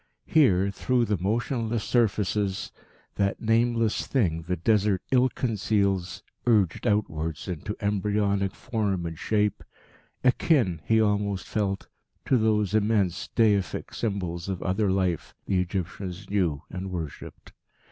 Here, through the motionless surfaces, that nameless thing the Desert ill conceals urged outwards into embryonic form and shape, akin, he almost felt, to those immense deific symbols of Other Life the Egyptians knew and worshipped.